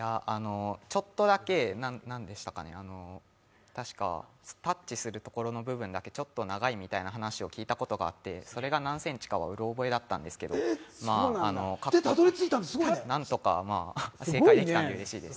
ちょっとだけ、たしかタッチするところの部分だけちょっと長いみたいな話を聞いたことがあってそれが何センチかはうろ覚えだったんですけどなんとか正解できたんでうれしいです。